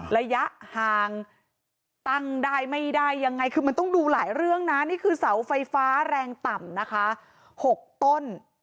ระยะห่างตั้งได้ไม่ได้ยังไงคือมันต้องดูหลายเรื่องนะนี่คือเสาไฟฟ้าแรงต่ำนะคะ๖ต้น